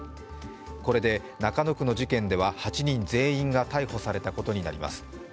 これで中野区の事件では８人全員が逮捕されたことになります。